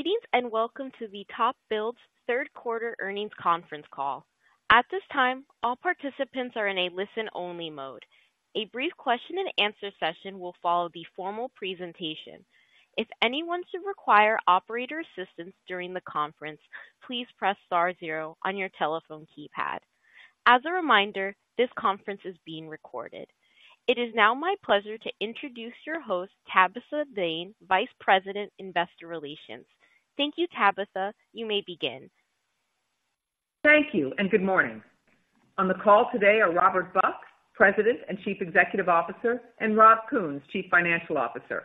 Greetings, and welcome to TopBuild's Q3 Earnings Conference Call. At this time, all participants are in a listen-only mode. A brief question and answer session will follow the formal presentation. If anyone should require operator assistance during the conference, please press star 0 on your telephone keypad. As a reminder, this conference is being recorded. It is now my pleasure to introduce your host, Tabitha Zane, Vice President, Investor Relations. Thank you, Tabitha. You may begin. Thank you, and good morning. On the call today are Robert Buck, President and Chief Executive Officer, and Rob Kuhns, Chief Financial Officer.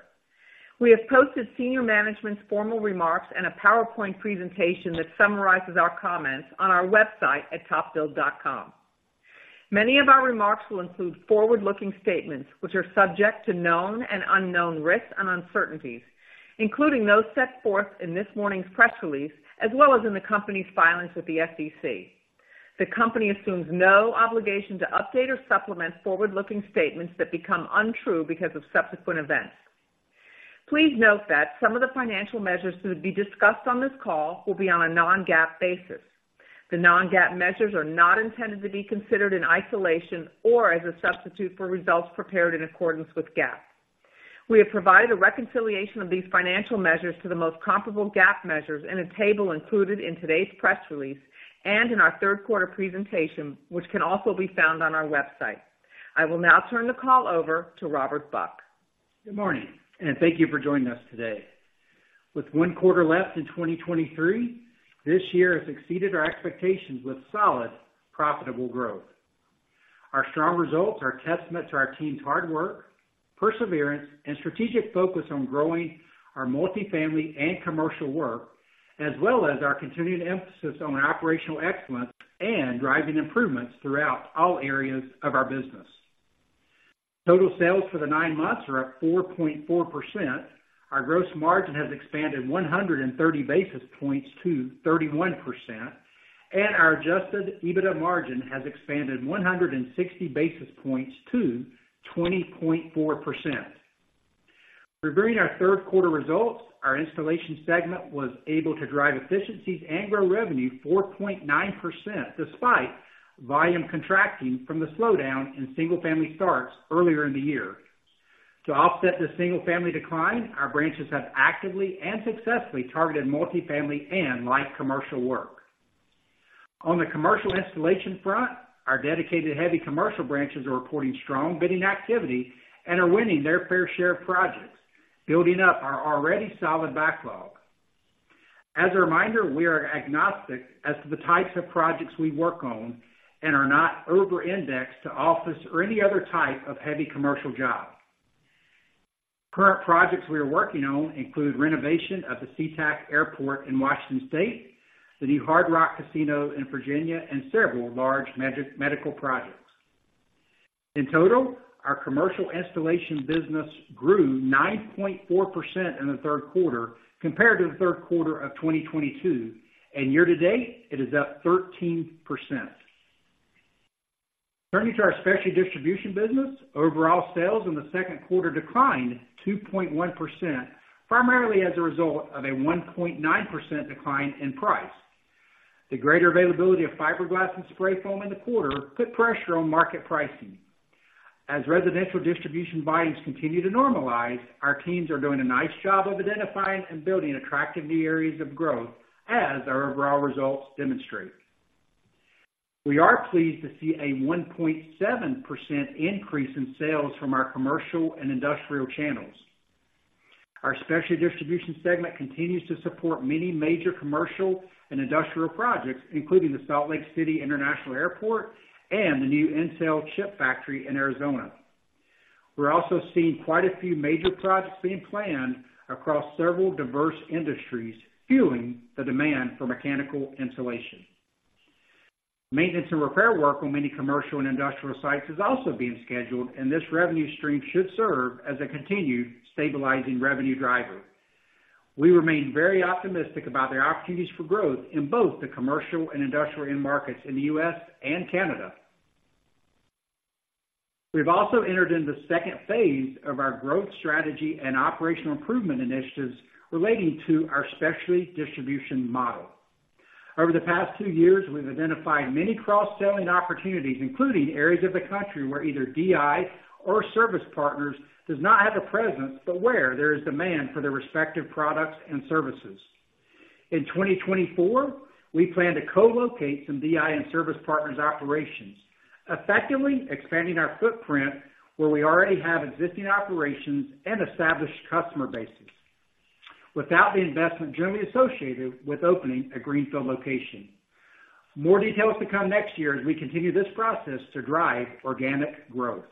We have posted senior management's formal remarks and a PowerPoint presentation that summarizes our comments on our website at topbuild.com. Many of our remarks will include forward-looking statements, which are subject to known and unknown risks and uncertainties, including those set forth in this morning's press release, as well as in the company's filings with the SEC. The company assumes no obligation to update or supplement forward-looking statements that become untrue because of subsequent events. Please note that some of the financial measures to be discussed on this call will be on a non-GAAP basis. The non-GAAP measures are not intended to be considered in isolation or as a substitute for results prepared in accordance with GAAP. We have provided a reconciliation of these financial measures to the most comparable GAAP measures in a table included in today's press release and in our Q3 presentation, which can also be found on our website. I will now turn the call over to Robert Buck. Good morning, and thank you for joining us today. With one quarter left in 2023, this year has exceeded our expectations with solid, profitable growth. Our strong results are a testament to our team's hard work, perseverance, and strategic focus on growing our multifamily and commercial work, as well as our continued emphasis on operational excellence and driving improvements throughout all areas of our business. Total sales for the nine months are up 4.4%. Our gross margin has expanded 130 basis points to 31%, and our adjusted EBITDA margin has expanded 160 basis points to 20.4%. Reviewing our Q3 results, our installation segment was able to drive efficiencies and grow revenue 4.9%, despite volume contracting from the slowdown in single-family starts earlier in the year. To offset the single-family decline, our branches have actively and successfully targeted multifamily and light commercial work. On the commercial installation front, our dedicated heavy commercial branches are reporting strong bidding activity and are winning their fair share of projects, building up our already solid backlog. As a reminder, we are agnostic as to the types of projects we work on and are not over-indexed to office or any other type of heavy commercial job. Current projects we are working on include renovation of the SeaTac Airport in Washington State, the new Hard Rock Casino in Virginia, and several large medical projects. In total, our commercial installation business grew 9.4% in the Q3 compared to the Q3 of 2022, and year to date, it is up 13%. Turning to our specialty distribution business, overall sales in the Q2 declined 2.1%, primarily as a result of a 1.9% decline in price. The greater availability of fiberglass and spray foam in the quarter put pressure on market pricing. As residential distribution volumes continue to normalize, our teams are doing a nice job of identifying and building attractive new areas of growth, as our overall results demonstrate. We are pleased to see a 1.7% increase in sales from our commercial and industrial channels. Our specialty distribution segment continues to support many major commercial and industrial projects, including the Salt Lake City International Airport and the new Intel chip factory in Arizona. We're also seeing quite a few major projects being planned across several diverse industries, fueling the demand for mechanical insulation. Maintenance and repair work on many commercial and industrial sites is also being scheduled, and this revenue stream should serve as a continued stabilizing revenue driver. We remain very optimistic about the opportunities for growth in both the commercial and industrial end markets in the U.S. and Canada. We've also entered into the second phase of our growth strategy and operational improvement initiatives relating to our specialty distribution model. Over the past two years, we've identified many cross-selling opportunities, including areas of the country where either DI or Service Partners does not have a presence, but where there is demand for their respective products and services. In 2024, we plan to co-locate some DI and Service Partners operations, effectively expanding our footprint where we already have existing operations and established customer bases, without the investment generally associated with opening a greenfield location. More details to come next year as we continue this process to drive organic growth.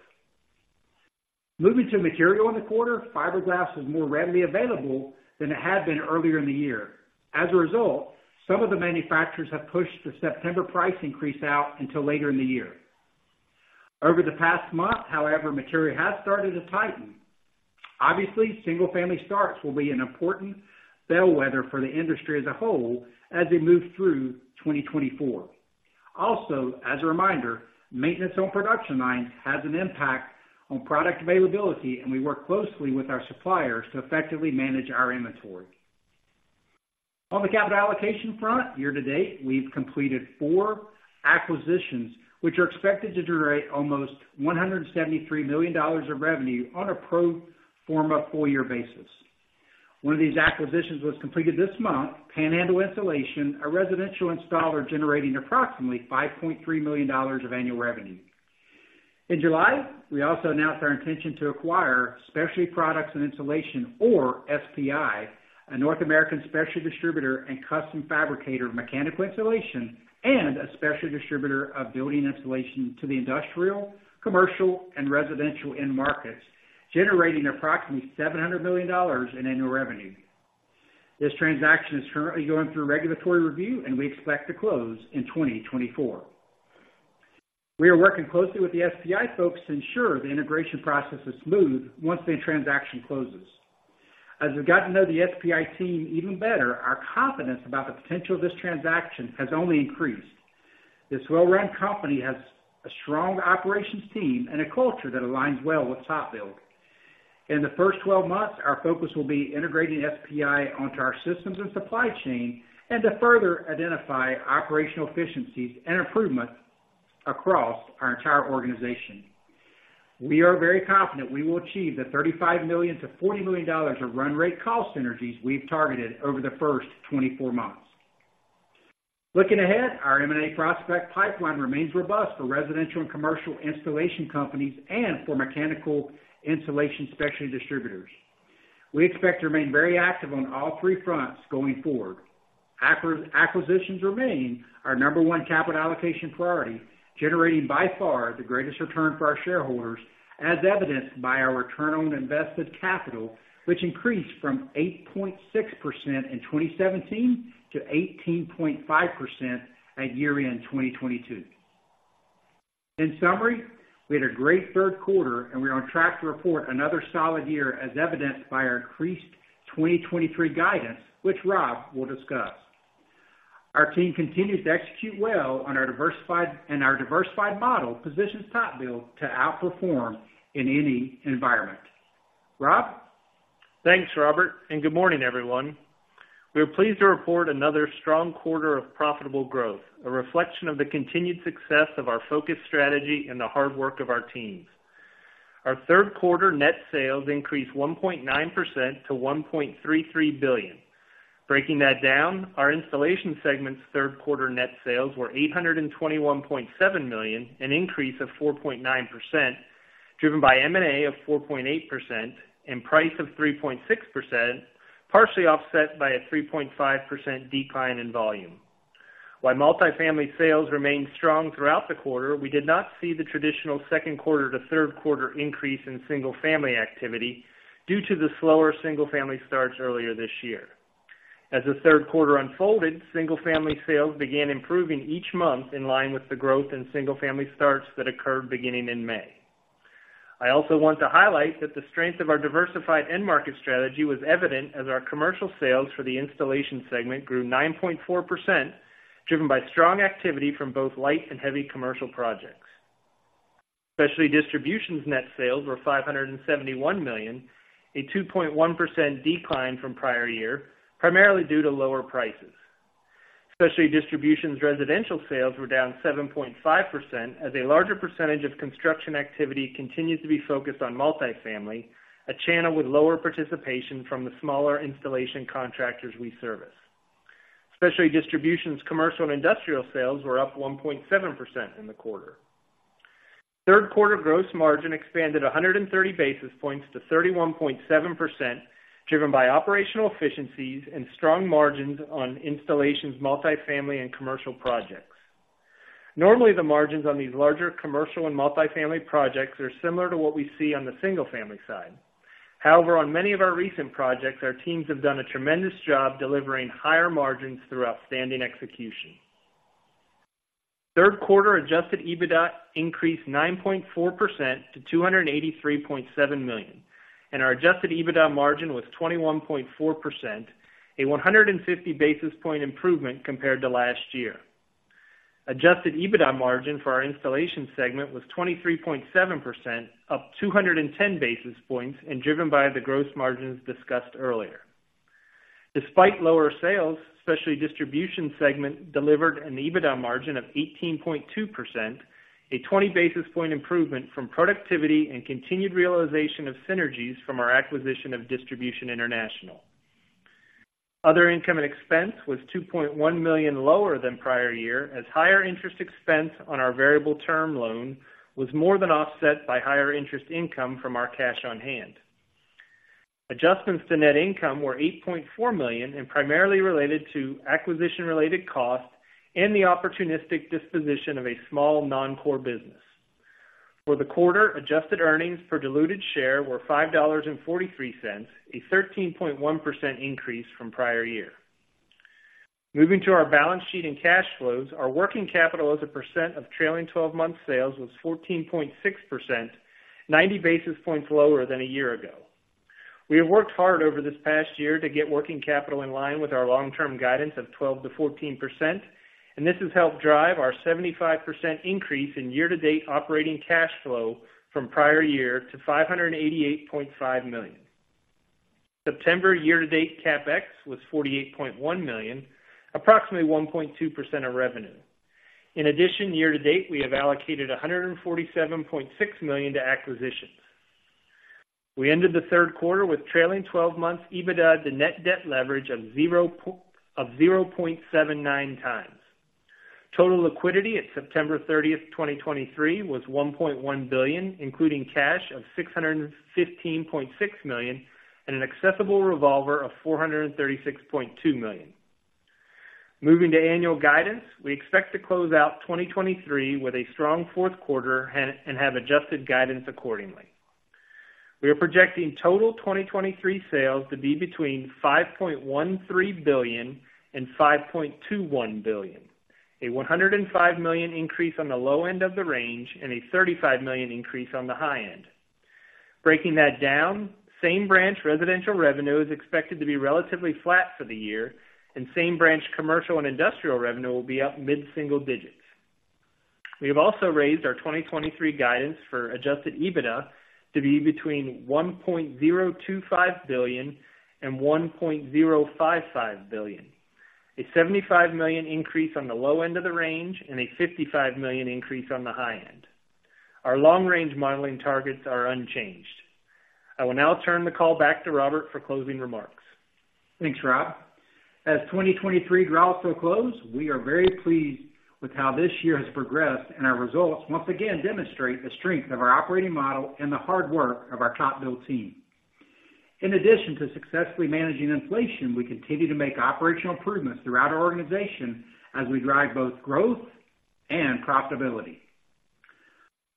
Moving to material in the quarter, fiberglass was more readily available than it had been earlier in the year. As a result, some of the manufacturers have pushed the September price increase out until later in the year. Over the past month, however, material has started to tighten. Obviously, single-family starts will be an important bellwether for the industry as a whole as we move through 2024. Also, as a reminder, maintenance on production lines has an impact on product availability, and we work closely with our suppliers to effectively manage our inventory. On the capital allocation front, year-to-date, we've completed four acquisitions, which are expected to generate almost $173 million of revenue on a pro forma full year basis. One of these acquisitions was completed this month, Panhandle Insulation, a residential installer generating approximately $5.3 million of annual revenue. In July, we also announced our intention to acquire Specialty Products and Insulation, or SPI, a North American specialty distributor and custom fabricator of mechanical insulation, and a specialty distributor of building insulation to the industrial, commercial, and residential end markets, generating approximately $700 million in annual revenue. This transaction is currently going through regulatory review, and we expect to close in 2024. We are working closely with the SPI folks to ensure the integration process is smooth once the transaction closes. As we've got to know the SPI team even better, our confidence about the potential of this transaction has only increased. This well-run company has a strong operations team and a culture that aligns well with TopBuild. In the first 12 months, our focus will be integrating SPI onto our systems and supply chain, and to further identify operational efficiencies and improvements across our entire organization. We are very confident we will achieve the $35 million-$40 million of run rate cost synergies we've targeted over the first 24 months. Looking ahead, our M&A prospect pipeline remains robust for residential and commercial installation companies and for mechanical insulation specialty distributors. We expect to remain very active on all three fronts going forward. Acquisitions remain our number one capital allocation priority, generating by far the greatest return for our shareholders, as evidenced by our return on invested capital, which increased from 8.6% in 2017 to 18.5% at year-end 2022. In summary, we had a great Q3, and we're on track to report another solid year, as evidenced by our increased 2023 guidance, which Rob will discuss. Our team continues to execute well on our diversified model positions TopBuild to outperform in any environment. Rob? Thanks, Robert, and good morning, everyone. We are pleased to report another strong quarter of profitable growth, a reflection of the continued success of our focused strategy and the hard work of our teams. Our Q3 net sales increased 1.9% to $1.33 billion. Breaking that down, our installation segment's Q3 net sales were $821.7 million, an increase of 4.9%, driven by M&A of 4.8% and price of 3.6%, partially offset by a 3.5% decline in volume. While multifamily sales remained strong throughout the quarter, we did not see the traditional Q2 to Q3 increase in single-family activity due to the slower single-family starts earlier this year. As the Q3 unfolded, single-family sales began improving each month, in line with the growth in single-family starts that occurred beginning in May. I also want to highlight that the strength of our diversified end market strategy was evident, as our commercial sales for the installation segment grew 9.4%, driven by strong activity from both light and heavy commercial projects. Specialty Distribution's net sales were $571 million, a 2.1% decline from prior year, primarily due to lower prices. Specialty Distribution's residential sales were down 7.5%, as a larger percentage of construction activity continues to be focused on multifamily, a channel with lower participation from the smaller installation contractors we service. Specialty Distribution's commercial and industrial sales were up 1.7% in the quarter. Q3 gross margin expanded 130 basis points to 31.7%, driven by operational efficiencies and strong margins on installations, multifamily, and commercial projects. Normally, the margins on these larger commercial and multifamily projects are similar to what we see on the single-family side. However, on many of our recent projects, our teams have done a tremendous job delivering higher margins through outstanding execution. Q3 Adjusted EBITDA increased 9.4% to $283.7 million, and our Adjusted EBITDA margin was 21.4%, a 150 basis point improvement compared to last year. Adjusted EBITDA margin for our installation segment was 23.7%, up 210 basis points, and driven by the gross margins discussed earlier. Despite lower sales, Specialty Distribution segment delivered an EBITDA margin of 18.2%, a 20 basis point improvement from productivity and continued realization of synergies from our acquisition of Distribution International. Other income and expense was $2.1 million lower than prior year, as higher interest expense on our variable term loan was more than offset by higher interest income from our cash on hand. Adjustments to net income were $8.4 million, and primarily related to acquisition-related costs and the opportunistic disposition of a small, non-core business. For the quarter, adjusted earnings per diluted share were $5.43, a 13.1% increase from prior year. Moving to our balance sheet and cash flows, our working capital as a percent of trailing twelve-month sales was 14.6%, 90 basis points lower than a year ago. We have worked hard over this past year to get working capital in line with our long-term guidance of 12%-14%, and this has helped drive our 75% increase in year-to-date operating cash flow from prior year to $588.5 million. September year-to-date CapEx was $48.1 million, approximately 1.2% of revenue. In addition, year-to-date, we have allocated $147.6 million to acquisitions. We ended the Q3 with trailing twelve months EBITDA to net debt leverage of 0.79 times. Total liquidity at September 30, 2023, was $1.1 billion, including cash of $615.6 million and an accessible revolver of $436.2 million. Moving to annual guidance, we expect to close out 2023 with a strong Q4 and have adjusted guidance accordingly. We are projecting total 2023 sales to be between $5.13 billion and $5.21 billion, a $105 million increase on the low end of the range and a $35 million increase on the high end. Breaking that down, same branch residential revenue is expected to be relatively flat for the year, and same branch commercial and industrial revenue will be up mid-single digits. We have also raised our 2023 guidance for Adjusted EBITDA to be between $1.025 billion and $1.055 billion, a $75 million increase on the low end of the range and a $55 million increase on the high end. Our long-range modeling targets are unchanged. I will now turn the call back to Robert for closing remarks. Thanks, Rob. As 2023 draws to a close, we are very pleased with how this year has progressed, and our results once again demonstrate the strength of our operating model and the hard work of our TopBuild team. In addition to successfully managing inflation, we continue to make operational improvements throughout our organization as we drive both growth and profitability.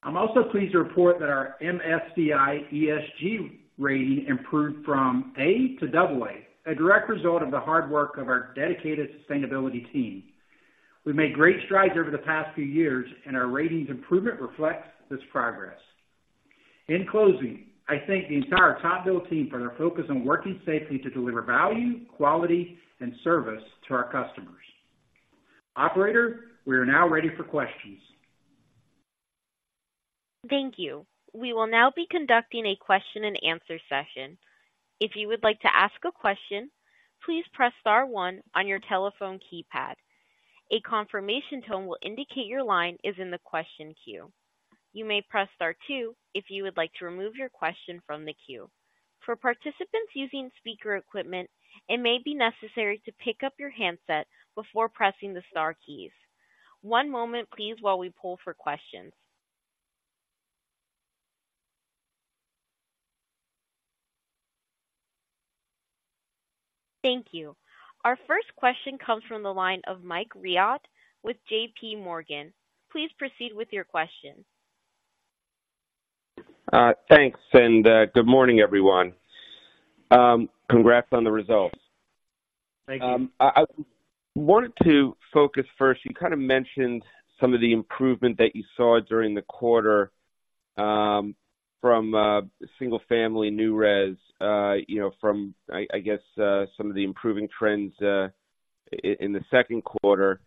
I'm also pleased to report that our MSCI ESG rating improved from A to AA, a direct result of the hard work of our dedicated sustainability team. We've made great strides over the past few years, and our ratings improvement reflects this progress. In closing, I thank the entire TopBuild team for their focus on working safely to deliver value, quality, and service to our customers. Operator, we are now ready for questions. Thank you. We will now be conducting a question-and-answer session. If you would like to ask a question, please press star one on your telephone keypad. A confirmation tone will indicate your line is in the question queue. You may press star two if you would like to remove your question from the queue. For participants using speaker equipment, it may be necessary to pick up your handset before pressing the star keys. One moment, please, while we pull for questions. Thank you. Our first question comes from the line of Mike Dahl with JP Morgan. Please proceed with your question. Thanks, and good morning, everyone. Congrats on the results. Thank you. I wanted to focus first. You kind of mentioned some of the improvement that you saw during the quarter from single family new res, you know, from, I guess, some of the improving trends in the Q2.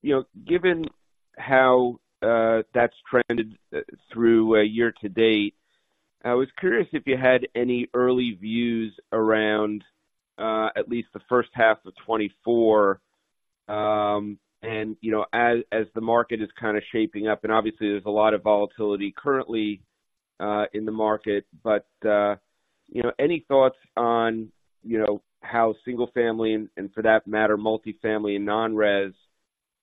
You know, given how that's trended through year to date, I was curious if you had any early views around at least the H1 of 2024, and, you know, as the market is kind of shaping up, and obviously there's a lot of volatility currently in the market, but, you know, any thoughts on, you know, how single family and, for that matter, multifamily and non-res,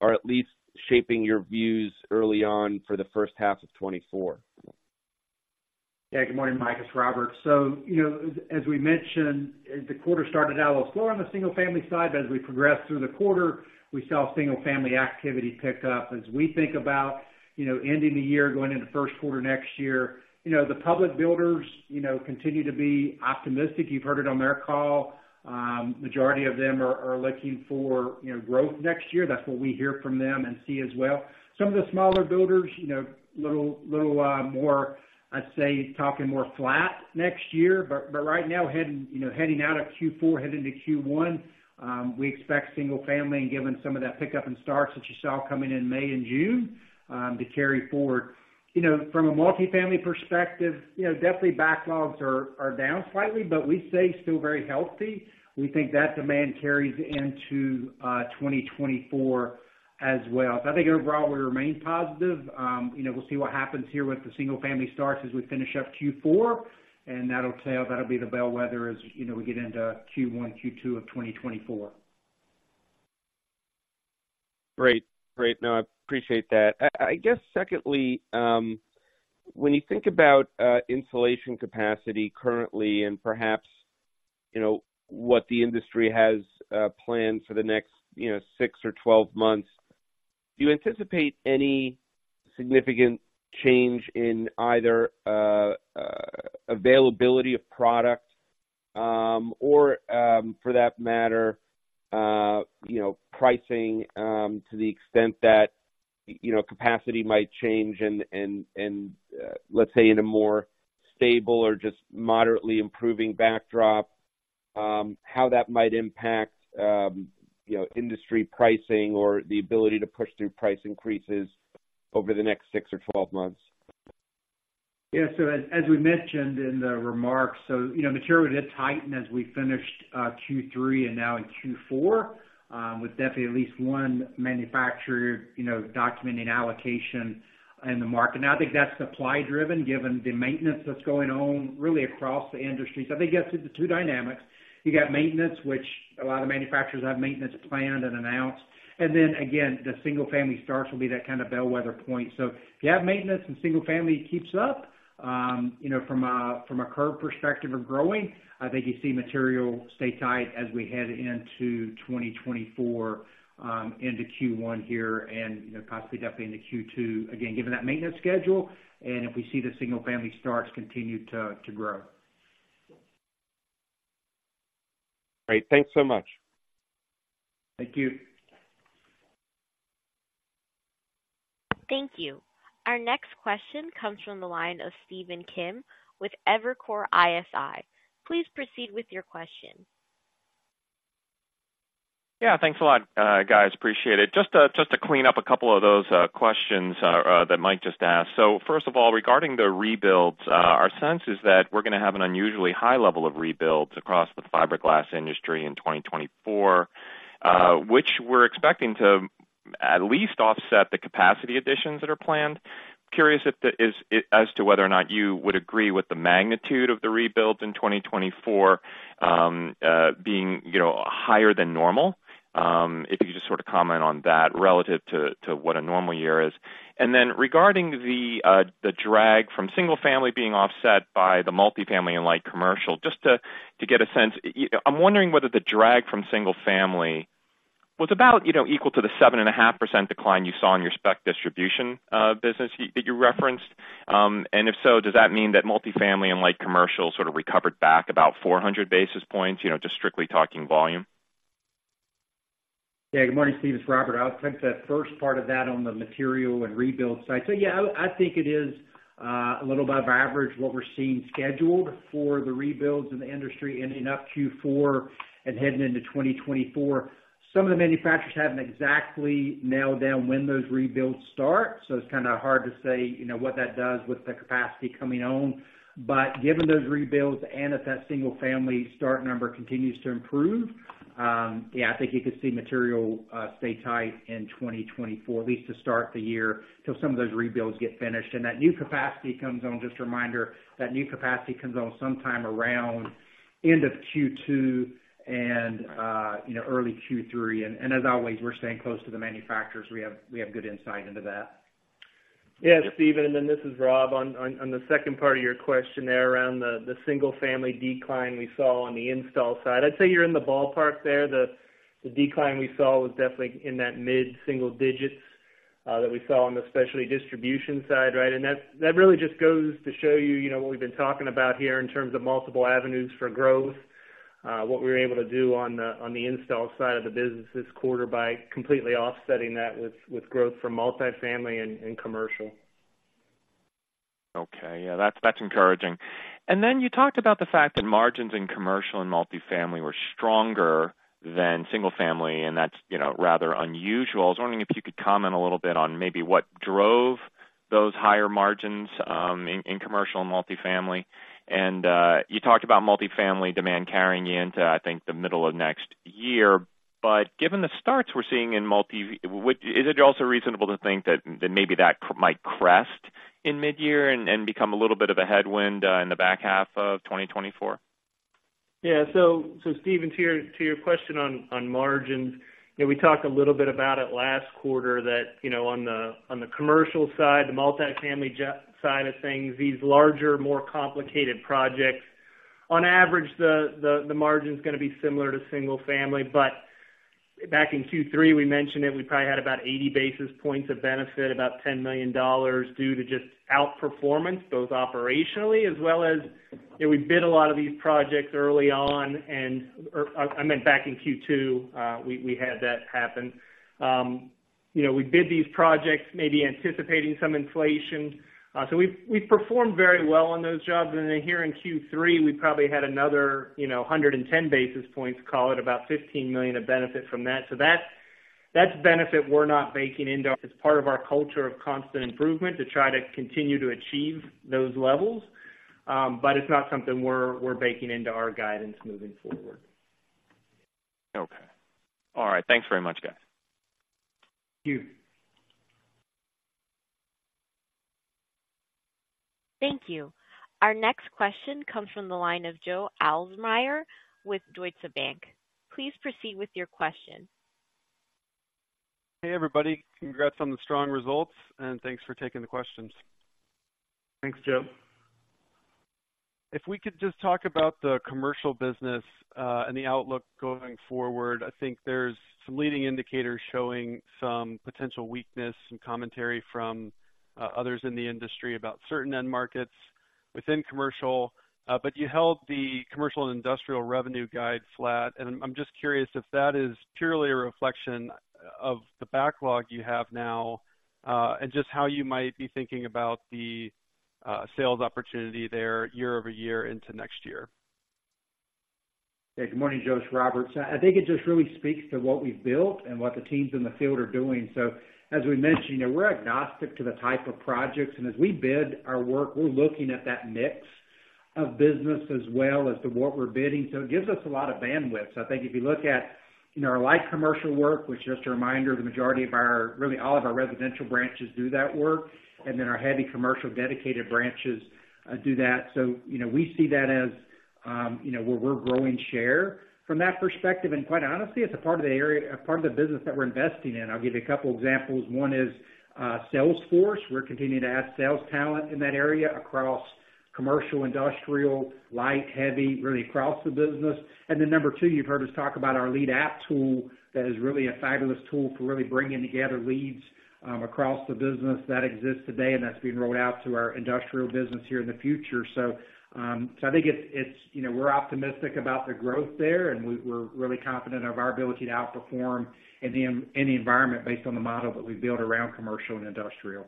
are at least shaping your views early on for the H1 of 2024? Yeah. Good morning, Mike, it's Robert. So, you know, as we mentioned, the quarter started out a little slow on the single family side, but as we progressed through the quarter, we saw single family activity pick up. As we think about, you know, ending the year, going into the Q1 next year, you know, the public builders, you know, continue to be optimistic. You've heard it on their call. Majority of them are looking for, you know, growth next year. That's what we hear from them and see as well. Some of the smaller builders, you know, little more, I'd say, talking more flat next year, but right now, heading, you know, heading out of Q4, heading to Q1, we expect single family and given some of that pickup in starts that you saw coming in May and June, to carry forward. You know, from a multifamily perspective, you know, definitely backlogs are down slightly, but we say still very healthy. We think that demand carries into 2024 as well. So I think overall, we remain positive. You know, we'll see what happens here with the single family starts as we finish up Q4, and that'll tell, that'll be the bellwether as, you know, we get into Q1, Q2 of 2024. Great. Great. No, I appreciate that. I guess secondly, when you think about insulation capacity currently, and perhaps, you know, what the industry has planned for the next 6 or 12 months, do you anticipate any significant change in either availability of product? or, for that matter, you know, pricing, to the extent that, you know, capacity might change and, let's say, in a more stable or just moderately improving backdrop, how that might impact, you know, industry pricing or the ability to push through price increases over the next 6 or 12 months? Yeah, so as we mentioned in the remarks, so, you know, material did tighten as we finished Q3 and now in Q4, with definitely at least one manufacturer, you know, documenting allocation in the market. Now, I think that's supply driven, given the maintenance that's going on really across the industry. So I think it's the two dynamics. You got maintenance, which a lot of manufacturers have maintenance planned and announced, and then again, the single-family starts will be that kind of bellwether point. So if you have maintenance and single family keeps up, you know, from a curve perspective of growing, I think you see material stay tight as we head into 2024, into Q1 here and, you know, possibly definitely into Q2. Again, given that maintenance schedule, and if we see the single family starts continue to grow. Great. Thanks so much. Thank you. Thank you. Our next question comes from the line of Stephen Kim with Evercore ISI. Please proceed with your question. Yeah, thanks a lot, guys, appreciate it. Just to clean up a couple of those questions that Mike just asked. So first of all, regarding the rebuilds, our sense is that we're gonna have an unusually high level of rebuilds across the fiberglass industry in 2024, which we're expecting to at least offset the capacity additions that are planned. Curious as to whether or not you would agree with the magnitude of the rebuilds in 2024, you know, being higher than normal? If you could just sort of comment on that relative to what a normal year is. Then regarding the drag from single family being offset by the multifamily and light commercial, just to get a sense, I'm wondering whether the drag from single family was about, you know, equal to the 7.5% decline you saw in your spec distribution business that you referenced. And if so, does that mean that multifamily and light commercial sort of recovered back about 400 basis points, you know, just strictly talking volume? Yeah. Good morning, Steve, it's Robert. I'll take that first part of that on the material and rebuild side. So yeah, I think it is a little above average what we're seeing scheduled for the rebuilds in the industry ending up Q4 and heading into 2024. Some of the manufacturers haven't exactly nailed down when those rebuilds start, so it's kind of hard to say, you know, what that does with the capacity coming on. But given those rebuilds and if that single family start number continues to improve, yeah, I think you could see material stay tight in 2024, at least to start the year, till some of those rebuilds get finished and that new capacity comes on. Just a reminder, that new capacity comes on sometime around end of Q2 and you know, early Q3. As always, we're staying close to the manufacturers. We have good insight into that. Yeah, Steven, and then this is Rob. On the second part of your question there, around the single family decline we saw on the install side. I'd say you're in the ballpark there. The decline we saw was definitely in that mid-single digits that we saw on the specialty distribution side, right? And that really just goes to show you, you know, what we've been talking about here in terms of multiple avenues for growth, what we were able to do on the install side of the business this quarter by completely offsetting that with growth from multifamily and commercial. Okay. Yeah, that's encouraging. And then you talked about the fact that margins in commercial and multifamily were stronger than single family, and that's, you know, rather unusual. I was wondering if you could comment a little bit on maybe what drove those higher margins in commercial and multifamily. And you talked about multifamily demand carrying you into, I think, the middle of next year. But given the starts we're seeing in multi, is it also reasonable to think that that might crest in mid-year and become a little bit of a headwind in the back half of 2024? Yeah. So Steven, to your question on margins, you know, we talked a little bit about it last quarter, that you know, on the commercial side, the multifamily job side of things, these larger, more complicated projects, on average, the margin's gonna be similar to single family. But back in Q3, we mentioned it, we probably had about 80 basis points of benefit, about $10 million, due to just outperformance, both operationally as well as... You know, we bid a lot of these projects early on, or I meant back in Q2, we had that happen. You know, we bid these projects maybe anticipating some inflation. So we've performed very well on those jobs. And then here in Q3, we probably had another, you know, 110 basis points, call it about $15 million of benefit from that. So that's benefit we're not baking into. It's part of our culture of constant improvement to try to continue to achieve those levels, but it's not something we're baking into our guidance moving forward. Okay. All right. Thanks very much, guys. Thank you. Thank you. Our next question comes from the line of Joe Ahlersmeyer with Deutsche Bank. Please proceed with your question. Hey, everybody. Congrats on the strong results, and thanks for taking the questions. Thanks, Joe. If we could just talk about the commercial business, and the outlook going forward. I think there's some leading indicators showing some potential weakness, some commentary from, others in the industry about certain end markets... within commercial, but you held the commercial and industrial revenue guide flat. I'm just curious if that is purely a reflection, of the backlog you have now, and just how you might be thinking about the, sales opportunity there year-over-year into next year. Hey, good morning, Joe, it's Robert. I think it just really speaks to what we've built and what the teams in the field are doing. So as we mentioned, you know, we're agnostic to the type of projects, and as we bid our work, we're looking at that mix of business as well as to what we're bidding. So it gives us a lot of bandwidth. I think if you look at, you know, our light commercial work, which just a reminder, the majority of our, really, all of our residential branches do that work, and then our heavy commercial dedicated branches do that. So, you know, we see that as, you know, where we're growing share from that perspective, and quite honestly, it's a part of the business that we're investing in. I'll give you a couple examples. One is, Sales force. We're continuing to add sales talent in that area across commercial, industrial, light, heavy, really across the business. And then number 2, you've heard us talk about our Lead App tool. That is really a fabulous tool for really bringing together leads across the business that exists today, and that's being rolled out to our industrial business here in the future. So, I think it's, you know, we're optimistic about the growth there, and we're really confident of our ability to outperform in the environment based on the model that we've built around commercial and industrial.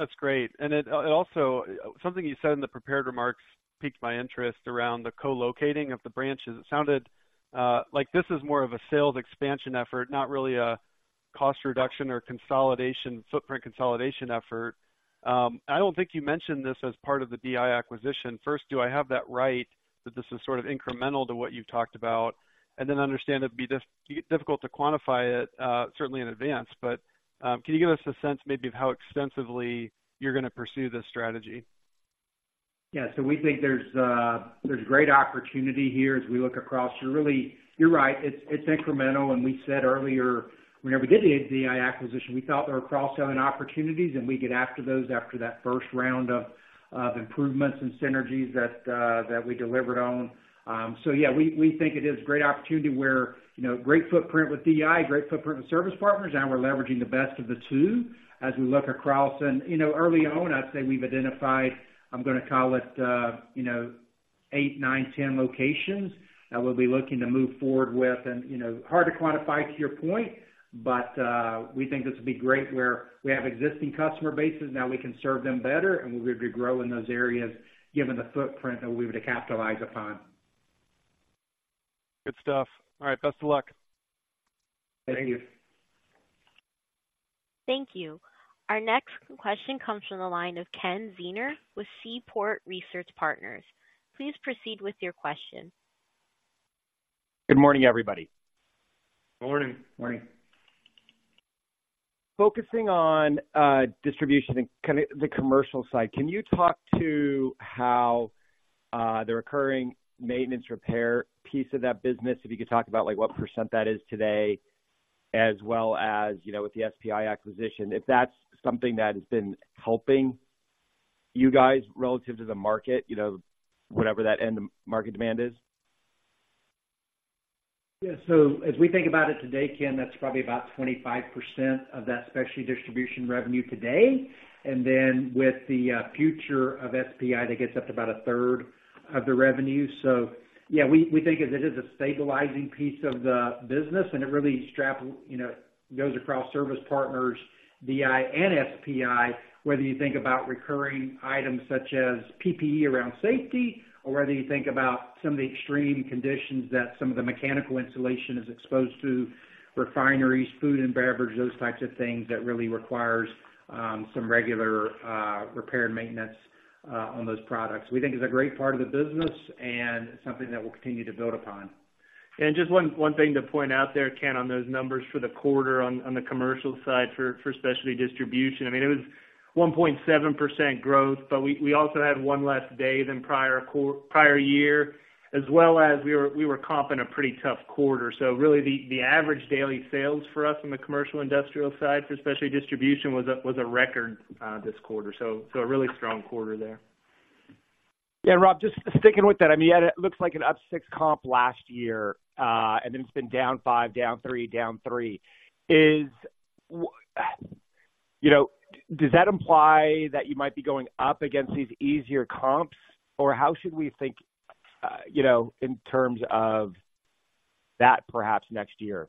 That's great. And it also... Something you said in the prepared remarks piqued my interest around the co-locating of the branches. It sounded like this is more of a sales expansion effort, not really a cost reduction or consolidation, footprint consolidation effort. I don't think you mentioned this as part of the DI acquisition. First, do I have that right, that this is sort of incremental to what you've talked about? And then I understand it'd be difficult to quantify it, certainly in advance, but can you give us a sense maybe of how extensively you're going to pursue this strategy? Yeah. So we think there's great opportunity here as we look across. You're really—you're right, it's incremental, and we said earlier, whenever we did the DI acquisition, we thought there were cross-selling opportunities, and we get after those after that first round of improvements and synergies that we delivered on. So yeah, we think it is a great opportunity where, you know, great footprint with DI, great footprint with Service Partners, and we're leveraging the best of the two as we look across. And, you know, early on, I'd say we've identified, I'm going to call it, you know, eight, nine, ten locations that we'll be looking to move forward with. You know, hard to quantify, to your point, but we think this will be great where we have existing customer bases, now we can serve them better, and we're going to grow in those areas, given the footprint that we were to capitalize upon. Good stuff. All right. Best of luck. Thank you. Thank you. Our next question comes from the line of Ken Zener with Seaport Research Partners. Please proceed with your question. Good morning, everybody. Morning. Morning. Focusing on distribution and kind of the commercial side, can you talk to how the recurring maintenance repair piece of that business, if you could talk about, like, what % that is today, as well as, you know, with the SPI acquisition, if that's something that has been helping you guys relative to the market, you know, whatever that end market demand is? Yeah. So as we think about it today, Ken, that's probably about 25% of that specialty distribution revenue today. And then with the future of SPI, that gets up to about a third of the revenue. So yeah, we think of it as a stabilizing piece of the business, and it really you know, goes across Service Partners, DI and SPI, whether you think about recurring items such as PPE around safety, or whether you think about some of the extreme conditions that some of the mechanical installation is exposed to, refineries, food and beverage, those types of things, that really requires some regular repair and maintenance on those products. We think it's a great part of the business and something that we'll continue to build upon. Just one thing to point out there, Ken, on those numbers for the quarter on the commercial side for specialty distribution, I mean, it was 1.7% growth, but we also had one less day than prior year, as well as we were comping a pretty tough quarter. So really, the average daily sales for us on the commercial industrial side for specialty distribution was a record this quarter, so a really strong quarter there. Yeah, Rob, just sticking with that, I mean, it looks like an up 6 comp last year, and then it's been down 5, down 3, down 3. You know, does that imply that you might be going up against these easier comps, or how should we think, you know, in terms of that perhaps next year?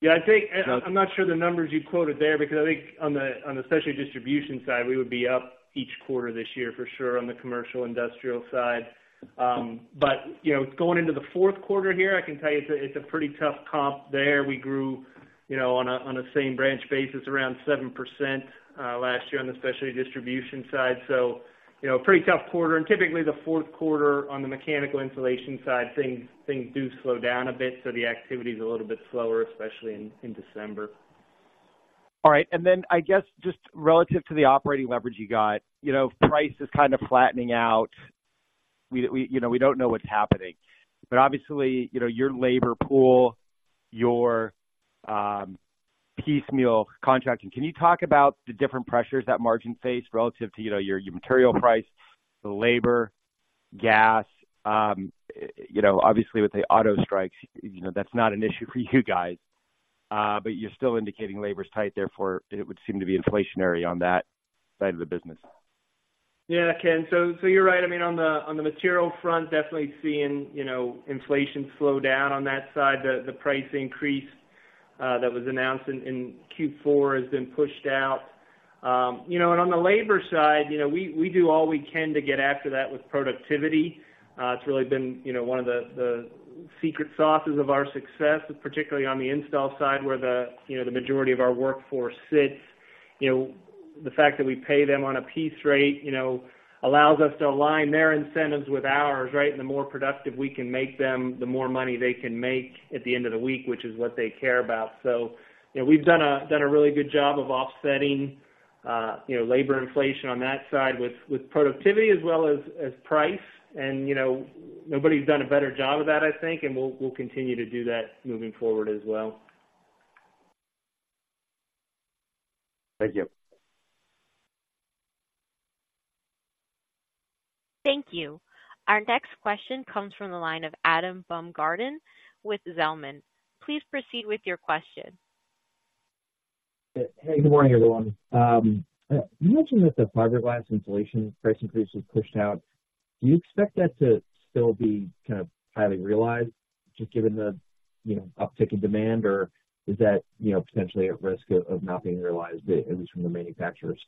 Yeah, I think I'm not sure the numbers you quoted there, because I think on the specialty distribution side, we would be up each quarter this year for sure on the commercial industrial side. But you know, going into the Q4 here, I can tell you it's a pretty tough comp there. We grew, you know, on a same branch basis, around 7%, last year on the specialty distribution side. So, you know, pretty tough quarter. And typically the Q4 on the mechanical insulation side, things do slow down a bit, so the activity is a little bit slower, especially in December. All right. I guess, just relative to the operating leverage you got, you know, price is kind of flattening out. We, you know, we don't know what's happening, but obviously, you know, your labor pool, your piece rate contracting, can you talk about the different pressures that margins face relative to, you know, your material price, the labor, gas? You know, obviously, with the auto strikes, you know, that's not an issue for you guys. But you're still indicating labor's tight, therefore, it would seem to be inflationary on that side of the business. Yeah, Ken. So you're right. I mean, on the material front, definitely seeing, you know, inflation slow down on that side. The price increase that was announced in Q4 has been pushed out. You know, and on the labor side, you know, we do all we can to get after that with productivity. It's really been, you know, one of the secret sauces of our success, particularly on the install side, where, you know, the majority of our workforce sits. You know, the fact that we pay them on a piece rate, you know, allows us to align their incentives with ours, right? And the more productive we can make them, the more money they can make at the end of the week, which is what they care about. So, you know, we've done a really good job of offsetting, you know, labor inflation on that side with productivity as well as price. And, you know, nobody's done a better job of that, I think, and we'll continue to do that moving forward as well. Thank you. Thank you. Our next question comes from the line of Adam Baumgarten with Zelman & Associates. Please proceed with your question. Hey, good morning, everyone. You mentioned that the fiberglass insulation price increase was pushed out. Do you expect that to still be kind of highly realized, just given the, you know, uptick in demand? Or is that, you know, potentially at risk of not being realized, at least from the manufacturers?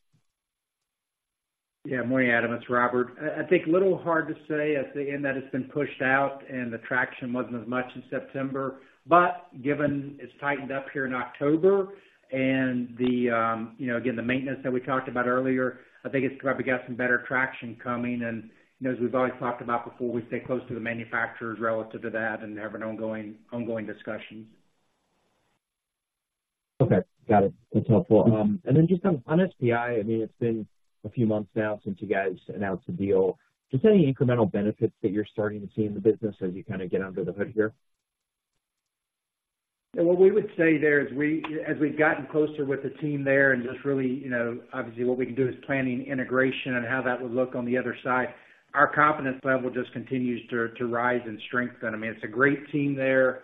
Yeah. Morning, Adam, it's Robert. I think it's a little hard to say, as in that it's been pushed out, and the traction wasn't as much in September. But given it's tightened up here in October and the, you know, again, the maintenance that we talked about earlier, I think it's probably got some better traction coming. And, you know, as we've always talked about before, we stay close to the manufacturers relative to that and have ongoing discussions. Okay, got it. That's helpful. And then just on, on SPI, I mean, it's been a few months now since you guys announced the deal. Just any incremental benefits that you're starting to see in the business as you kind of get under the hood here? Yeah, what we would say there is we, as we've gotten closer with the team there and just really, you know, obviously, what we can do is planning integration and how that would look on the other side. Our confidence level just continues to rise and strengthen. I mean, it's a great team there.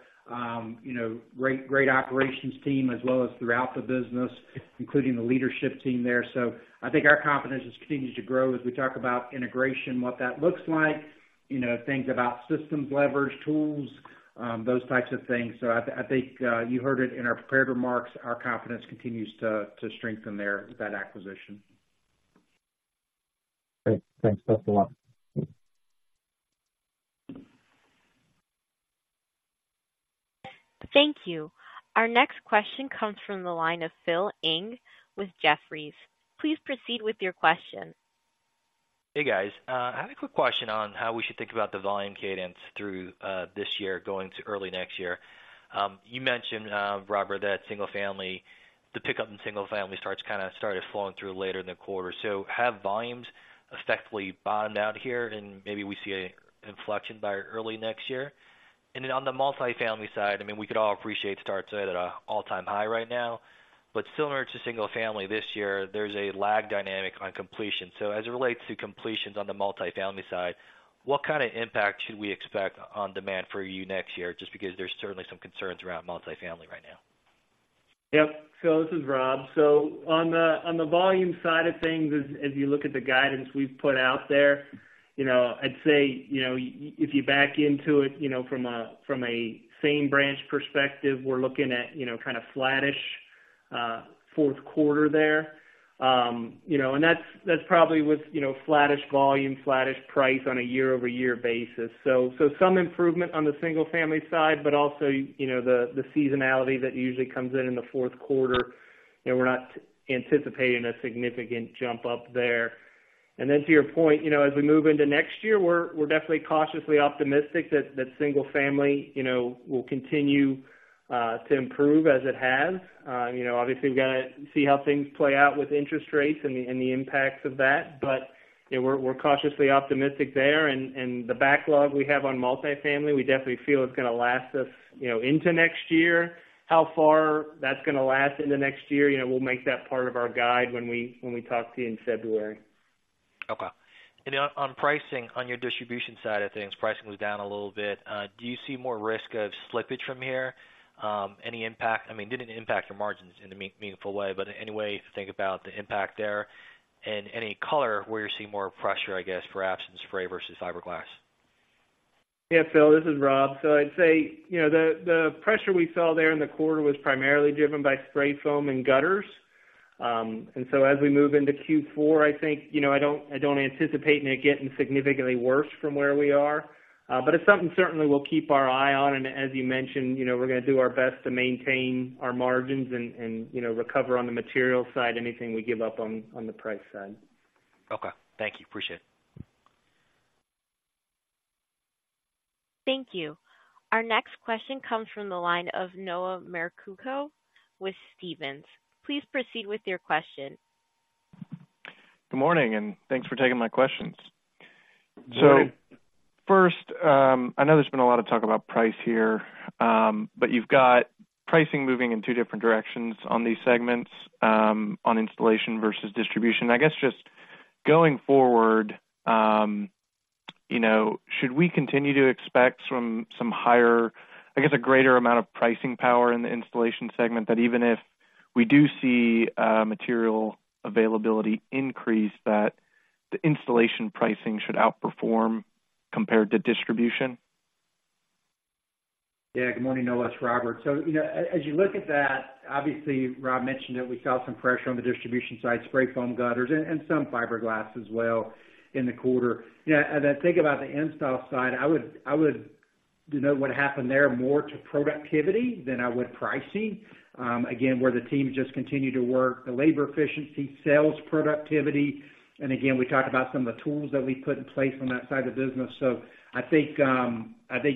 You know, great, great operations team as well as throughout the business, including the leadership team there. So I think our confidence just continues to grow as we talk about integration, what that looks like, you know, things about systems, levers, tools, those types of things. So I think you heard it in our prepared remarks, our confidence continues to strengthen there with that acquisition. Great. Thanks. Thanks a lot. Thank you. Our next question comes from the line of Phil Ng with Jefferies. Please proceed with your question. Hey, guys. I have a quick question on how we should think about the volume cadence through this year, going to early next year. You mentioned, Robert, that single family, the pickup in single family starts kind of started flowing through later in the quarter. So have volumes effectively bottomed out here, and maybe we see an inflection by early next year? And then on the multifamily side, I mean, we could all appreciate starts are at an all-time high right now. But similar to single family this year, there's a lag dynamic on completion. So as it relates to completions on the multifamily side, what kind of impact should we expect on demand for you next year? Just because there's certainly some concerns around multifamily right now. Yep. So this is Rob. So on the volume side of things, as you look at the guidance we've put out there, you know, I'd say, you know, if you back into it, you know, from a same branch perspective, we're looking at, you know, kind of flattish Q4 there. You know, and that's probably with, you know, flattish volume, flattish price on a year-over-year basis. So some improvement on the single family side, but also, you know, the seasonality that usually comes in the Q4, you know, we're not anticipating a significant jump up there. And then to your point, you know, as we move into next year, we're definitely cautiously optimistic that single family, you know, will continue to improve as it has. You know, obviously, we've got to see how things play out with interest rates and the impacts of that. But, yeah, we're cautiously optimistic there. And the backlog we have on multifamily, we definitely feel it's gonna last us, you know, into next year. How far that's gonna last into next year, you know, we'll make that part of our guide when we talk to you in February. Okay. And then on pricing, on your distribution side of things, pricing was down a little bit. Do you see more risk of slippage from here? Any impact—I mean, it didn't impact your margins in a meaningful way, but any way to think about the impact there? And any color where you're seeing more pressure, I guess, for open-cell spray versus fiberglass. Yeah, Phil, this is Rob. So I'd say, you know, the pressure we saw there in the quarter was primarily driven by spray foam and gutters. And so as we move into Q4, I think, you know, I don't anticipate it getting significantly worse from where we are, but it's something certainly we'll keep our eye on. And as you mentioned, you know, we're gonna do our best to maintain our margins and, you know, recover on the material side, anything we give up on the price side. Okay. Thank you. Appreciate it. Thank you. Our next question comes from the line of Noah Merkousko with Stephens. Please proceed with your question. Good morning, and thanks for taking my questions. Good morning. So first, I know there's been a lot of talk about price here, but you've got pricing moving in two different directions on these segments, on installation versus distribution. I guess, just going forward, you know, should we continue to expect some, some higher, I guess, a greater amount of pricing power in the installation segment that even if we do see, material availability increase, that the installation pricing should outperform compared to distribution? Yeah. Good morning, Noah, it's Robert. So, you know, as you look at that, obviously, Rob mentioned that we saw some pressure on the distribution side, spray foam, gutters, and some fiberglass as well in the quarter. You know, as I think about the install side, I would denote what happened there more to productivity than I would pricing. Again, where the team just continued to work, the labor efficiency, sales productivity, and again, we talked about some of the tools that we put in place on that side of the business. So I think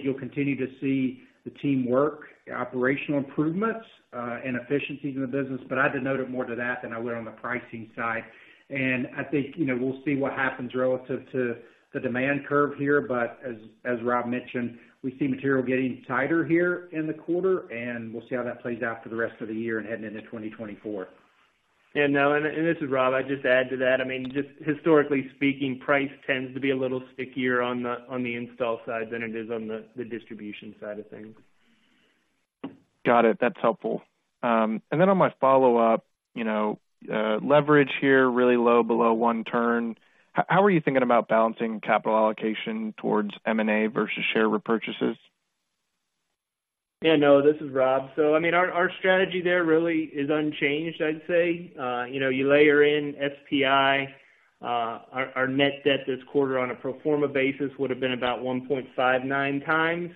you'll continue to see the team work, operational improvements, and efficiencies in the business, but I'd denote it more to that than I would on the pricing side. I think, you know, we'll see what happens relative to the demand curve here, but as, as Rob mentioned, we see material getting tighter here in the quarter, and we'll see how that plays out for the rest of the year and heading into 2024. And Noah, this is Rob. I'd just add to that, I mean, just historically speaking, price tends to be a little stickier on the install side than it is on the distribution side of things. Got it. That's helpful. Then on my follow-up, you know, leverage here, really low, below 1 turn. How are you thinking about balancing capital allocation towards M&A versus share repurchases? Yeah, Noah, this is Rob. So I mean, our, our strategy there really is unchanged, I'd say. You know, you layer in SPI, our, our net debt this quarter on a pro forma basis would have been about 1.59 times,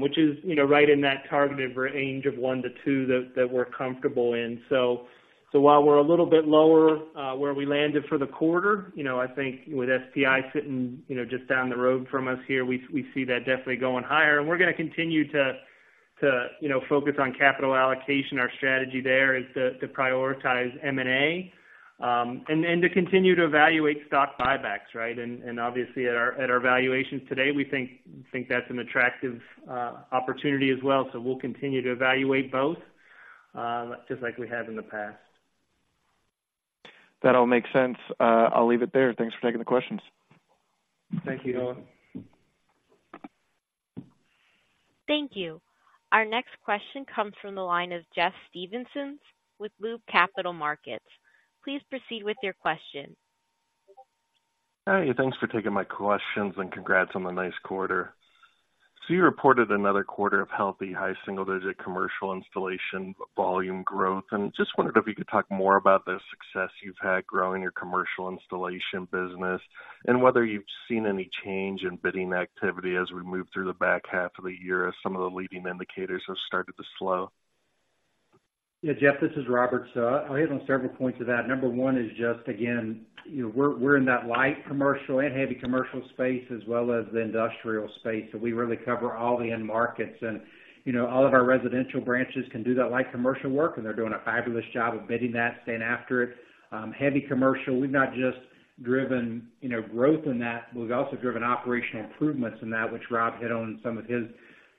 which is, you know, right in that targeted range of 1-2 that, that we're comfortable in. So, so while we're a little bit lower, where we landed for the quarter, you know, I think with SPI sitting, you know, just down the road from us here, we, we see that definitely going higher. And we're gonna continue to, to, you know, focus on capital allocation. Our strategy there is to, to prioritize M&A, and then to continue to evaluate stock buybacks, right? Obviously, at our valuations today, we think that's an attractive opportunity as well. So we'll continue to evaluate both, just like we have in the past. That all makes sense. I'll leave it there. Thanks for taking the questions. Thank you, Noah. Thank you. Our next question comes from the line of Jeff Stevenson with Loop Capital Markets. Please proceed with your question. Hi, thanks for taking my questions, and congrats on the nice quarter. So you reported another quarter of healthy, high single-digit commercial installation volume growth, and just wondered if you could talk more about the success you've had growing your commercial installation business and whether you've seen any change in bidding activity as we move through the back half of the year, as some of the leading indicators have started to slow. Yeah, Jeff, this is Robert. So I'll hit on several points of that. Number one is just, again, you know, we're in that light commercial and heavy commercial space, as well as the industrial space, so we really cover all the end markets. And, you know, all of our residential branches can do that light commercial work, and they're doing a fabulous job of bidding that, staying after it. Heavy commercial, we've not just driven, you know, growth in that, we've also driven operational improvements in that, which Rob hit on in some of his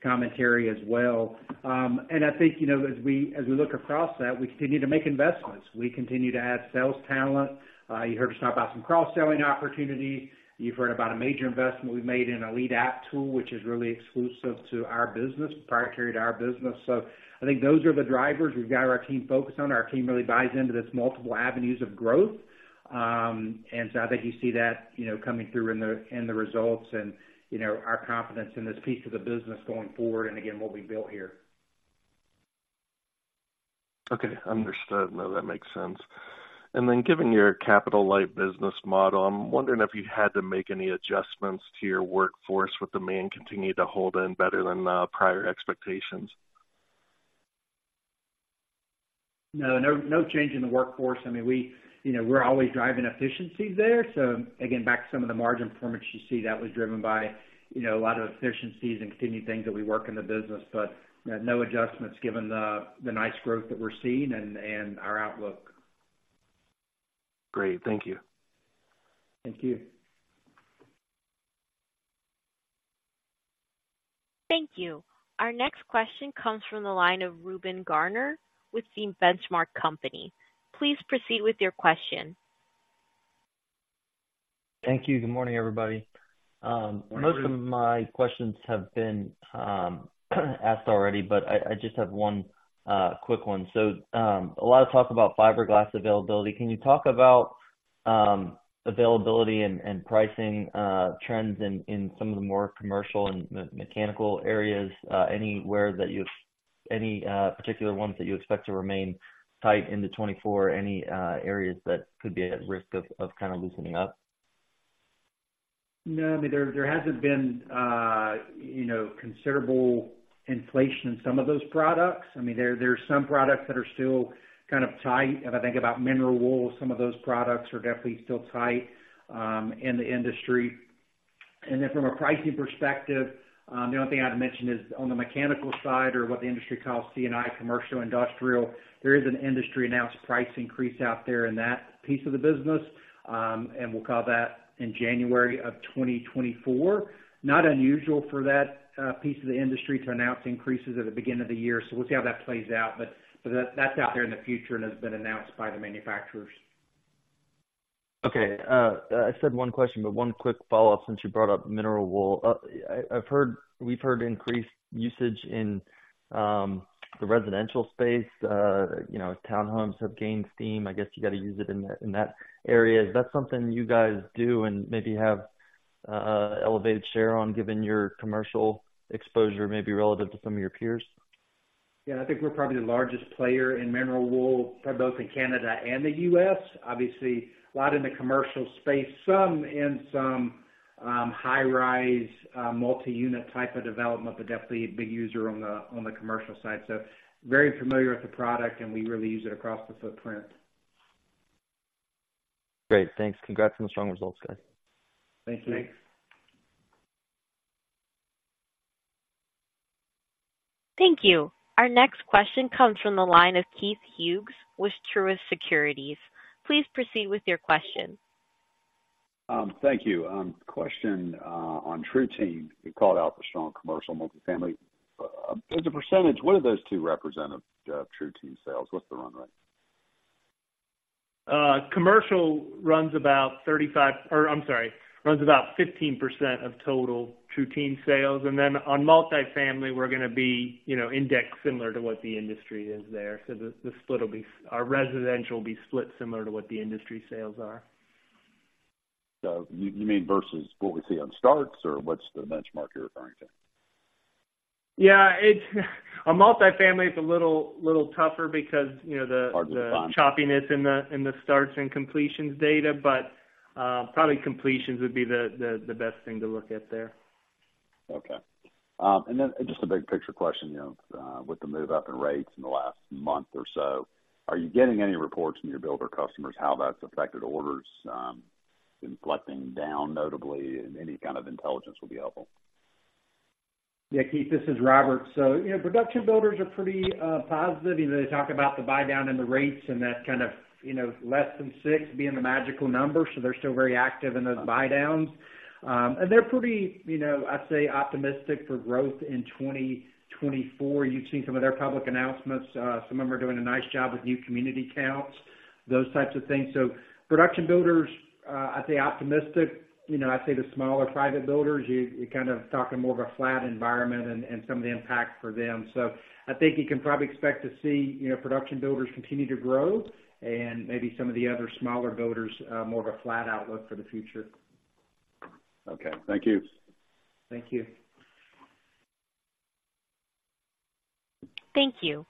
commentary as well. And I think, you know, as we look across that, we continue to make investments. We continue to add sales talent. You heard us talk about some cross-selling opportunities. You've heard about a major investment we've made in a lead app tool, which is really exclusive to our business, proprietary to our business. So I think those are the drivers we've got our team focused on. Our team really buys into this multiple avenues of growth. And so I think you see that, you know, coming through in the results and, you know, our confidence in this piece of the business going forward, and again, what we built here. Okay, understood. No, that makes sense. And then, given your capital light business model, I'm wondering if you had to make any adjustments to your workforce with demand continuing to hold in better than prior expectations? No, no, no change in the workforce. I mean, we, you know, we're always driving efficiencies there. So again, back to some of the margin performance you see, that was driven by, you know, a lot of efficiencies and continued things that we work in the business, but no adjustments given the nice growth that we're seeing and our outlook. Great. Thank you. Thank you. Thank you. Our next question comes from the line of Reuben Garner with The Benchmark Company. Please proceed with your question. Thank you. Good morning, everybody. Good morning. Most of my questions have been asked already, but I, I just have one quick one. So, a lot of talk about fiberglass availability. Can you talk about availability and pricing trends in some of the more commercial and mechanical areas? Anywhere that you've any particular ones that you expect to remain tight into 2024, any areas that could be at risk of kind of loosening up? No, I mean, there hasn't been, you know, considerable inflation in some of those products. I mean, there are some products that are still kind of tight. If I think about mineral wool, some of those products are definitely still tight, in the industry. And then from a pricing perspective, the only thing I'd mention is on the mechanical side or what the industry calls C&I, commercial industrial, there is an industry-announced price increase out there in that piece of the business. And we'll call that in January of 2024. Not unusual for that piece of the industry to announce increases at the beginning of the year. So we'll see how that plays out, but that's out there in the future and has been announced by the manufacturers. ... Okay, I said one question, but one quick follow-up since you brought up mineral wool. I've heard—we've heard increased usage in the residential space. You know, townhomes have gained steam. I guess you got to use it in that, in that area. Is that something you guys do and maybe have elevated share on, given your commercial exposure, maybe relevant to some of your peers? Yeah, I think we're probably the largest player in mineral wool, probably both in Canada and the U.S. Obviously, a lot in the commercial space, some in high-rise, multi-unit type of development, but definitely a big user on the commercial side. So very familiar with the product, and we really use it across the footprint. Great, thanks. Congrats on the strong results, guys. Thank you. Thank you. Our next question comes from the line of Keith Hughes with Truist Securities. Please proceed with your question. Thank you. Question on TruTeam. You called out for strong commercial multifamily. As a percentage, what do those two represent of TruTeam sales? What's the run rate? Commercial runs about 15% of total TruTeam sales. And then on multifamily, we're going to be, you know, indexed similar to what the industry is there. So the split will be... Our residential will be split similar to what the industry sales are. So you mean versus what we see on starts, or what's the benchmark you're referring to? Yeah, it's on multifamily. It's a little tougher because, you know, the- Hard to find. the choppiness in the starts and completions data, but probably completions would be the best thing to look at there. Okay. And then just a big picture question, you know, with the move up in rates in the last month or so, are you getting any reports from your builder customers, how that's affected orders, inflecting down notably, and any kind of intelligence will be helpful? Yeah, Keith, this is Robert. So, you know, production builders are pretty positive. You know, they talk about the buydown in the rates and that kind of, you know, less than six being the magical number. So they're still very active in those buydowns. And they're pretty, you know, I'd say, optimistic for growth in 2024. You've seen some of their public announcements. Some of them are doing a nice job with new community counts, those types of things. So production builders, I'd say optimistic. You know, I'd say the smaller private builders, you kind of talking more of a flat environment and some of the impact for them. I think you can probably expect to see, you know, production builders continue to grow and maybe some of the other smaller builders, more of a flat outlook for the future. Okay, thank you. Thank you. Thank you.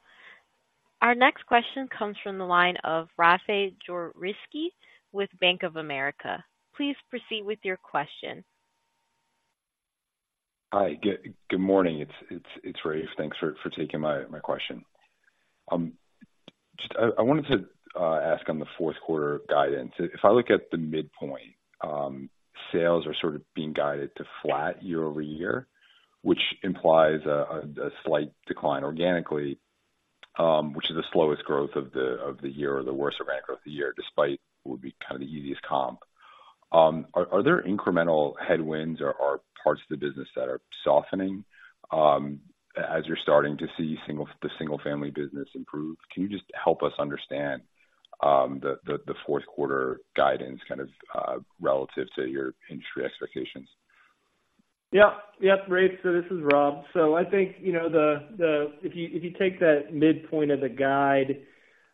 Our next question comes from the line of Rafe Jadrosich with Bank of America. Please proceed with your question. Hi, good morning. It's Rafe. Thanks for taking my question. Just I wanted to ask on the Q4 guidance. If I look at the midpoint, sales are sort of being guided to flat year-over-year, which implies a slight decline organically, which is the slowest growth of the year or the worst organic growth of the year, despite will be kind of the easiest comp. Are there incremental headwinds or parts of the business that are softening, as you're starting to see the single-family business improve? Can you just help us understand the Q4 guidance, kind of, relative to your industry expectations? Yeah. Yep, Rafe, so this is Rob. So I think, you know, if you, if you take that midpoint of the guide,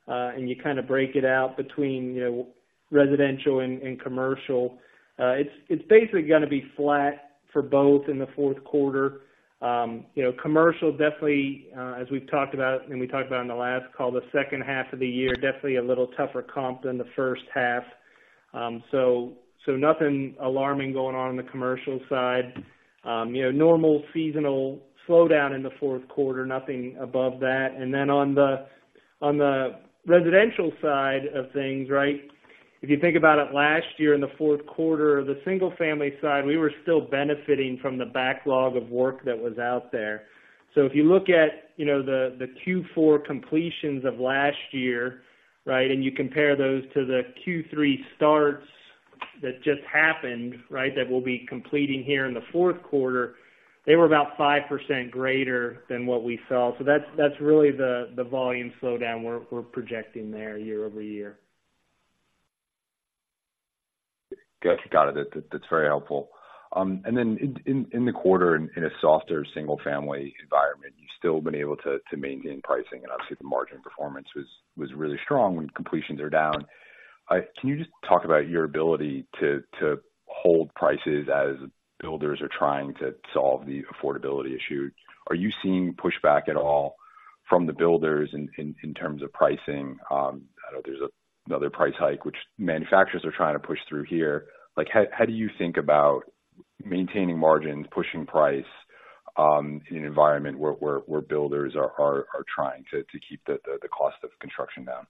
and you kind of break it out between, you know, residential and commercial, it's basically going to be flat for both in the Q4. You know, commercial, definitely, as we've talked about and we talked about in the last call, the H2 of the year, definitely a little tougher comp than the H1. So, nothing alarming going on in the commercial side. You know, normal seasonal slowdown in the Q4, nothing above that. And then on the residential side of things, right? If you think about it, last year, in the Q4, the single family side, we were still benefiting from the backlog of work that was out there. So if you look at, you know, the Q4 completions of last year, right, and you compare those to the Q3 starts that just happened, right, that we'll be completing here in the Q4, they were about 5% greater than what we saw. So that's really the volume slowdown we're projecting there year-over-year. Got it. That, that's very helpful. And then in the quarter, in a softer single family environment, you've still been able to maintain pricing, and obviously, the margin performance was really strong when completions are down. Can you just talk about your ability to hold prices as builders are trying to solve the affordability issue? Are you seeing pushback at all from the builders in terms of pricing? I know there's another price hike which manufacturers are trying to push through here. Like, how do you think about maintaining margins, pushing price, in an environment where builders are trying to keep the cost of construction down?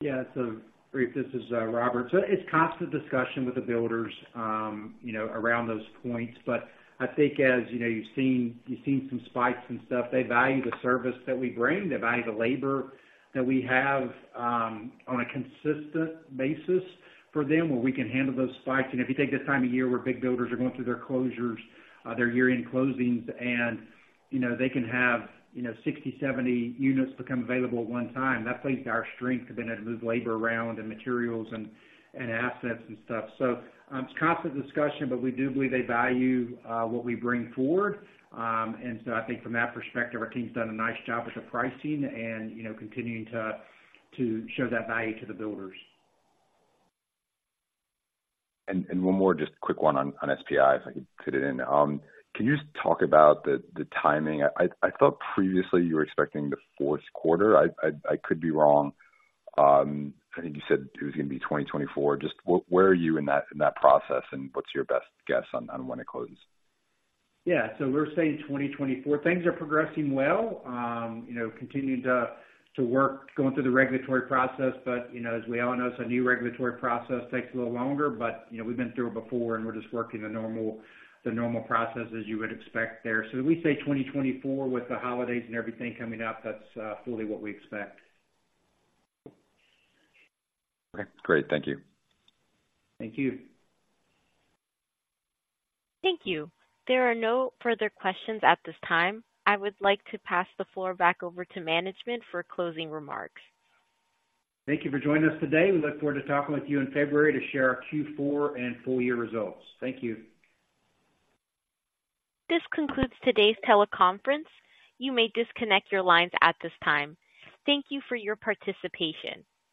Yeah. So Rafe, this is, Robert. So it's constant discussion with the builders, you know, around those points. But I think as you know, you've seen, you've seen some spikes and stuff, they value the service that we bring, they value the labor that we have, on a consistent basis for them, where we can handle those spikes. And if you take this time of year, where big builders are going through their closures, their year-end closings, and, you know, they can have, you know, 60, 70 units become available at one time. That plays to our strength to be able to move labor around and materials and, and assets and stuff. So, it's constant discussion, but we do believe they value, what we bring forward. And so I think from that perspective, our team's done a nice job with the pricing and, you know, continuing to show that value to the builders. And one more, just a quick one on SPI, if I could fit it in. Can you just talk about the timing? I could be wrong. I think you said it was going to be 2024. Just where are you in that process, and what's your best guess on when it closes? Yeah. So we're saying 2024. Things are progressing well, you know, continuing to work, going through the regulatory process. But, you know, as we all know, so new regulatory process takes a little longer, but, you know, we've been through it before, and we're just working the normal processes you would expect there. So we say 2024, with the holidays and everything coming up, that's fully what we expect. Okay, great. Thank you. Thank you. Thank you. There are no further questions at this time. I would like to pass the floor back over to management for closing remarks. Thank you for joining us today. We look forward to talking with you in February to share our Q4 and full year results. Thank you. This concludes today's teleconference. You may disconnect your lines at this time. Thank you for your participation.